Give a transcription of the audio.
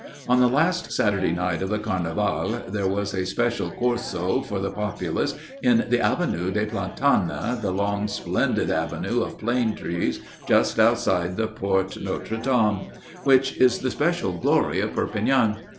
On the last Saturday night of the Carnival, there was a special corso for the populace in the Avenue des Plantanes, the long splendid Avenue of plane trees just outside the Porte Notre Dame, which is the special glory of Perpignan.